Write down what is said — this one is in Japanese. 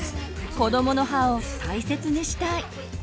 こどもの歯を大切にしたい。